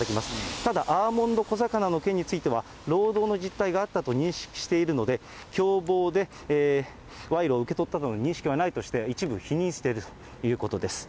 ただ、アーモンド小魚の件については、労働の実態があったと認識しているので、共謀で賄賂を受け取ったとの認識はないとして、一部否認しているということです。